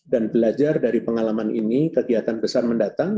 dan belajar dari pengalaman ini kegiatan besar mendatang